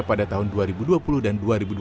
pada tahun dua ribu dua puluh dan dua ribu dua puluh